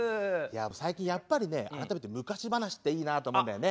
最近やっぱりね改めて昔話っていいなと思うんだよね。